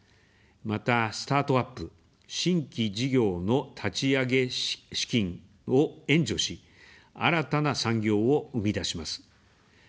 また、スタートアップ、新規事業の立ち上げ資金を援助し、新たな産業を生み出します。